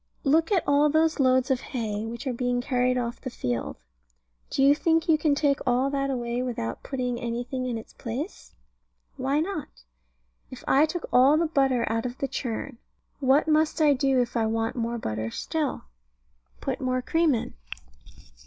Look at all those loads of hay, which are being carried off the field. Do you think you can take all that away without putting anything in its place? Why not? If I took all the butter out of the churn, what must I do if I want more butter still? Put more cream in.